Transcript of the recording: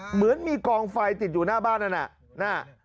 เหมือนมีกองไฟติดอยู่หน้าบ้านนั่นน่ะ